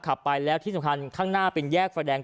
ขับไปแล้วที่สำคัญข้างหน้าเป็นแยกไฟแดง